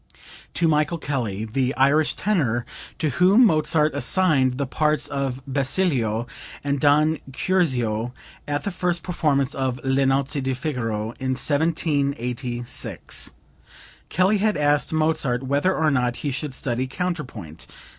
(To Michael Kelly, the Irish tenor, to whom Mozart assigned the parts of Basilio and Don Curzio at the first performance of "Le Nozze di Figaro" in 1786. Kelly had asked Mozart whether or not he should study counterpoint.